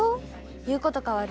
言うことかわる。